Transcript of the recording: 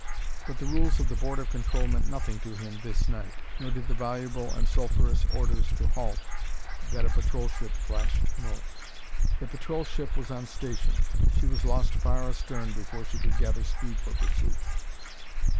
But the rules of the Board of Control meant nothing to him this night. Nor did the voluble and sulphurous orders to halt that a patrol ship flashed north. The patrol ship was on station; she was lost far astern before she could gather speed for pursuit.